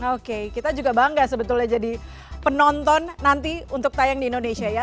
oke kita juga bangga sebetulnya jadi penonton nanti untuk tayang di indonesia ya